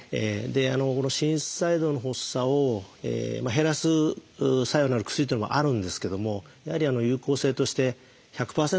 心室細動の発作を減らす作用のある薬というのもあるんですけどもやはり有効性として１００％ではないんですね。